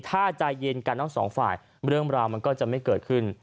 ถ้าใจเย็นกันทั้งสองฝ่ายเรื่องราวมันก็จะไม่เกิดขึ้น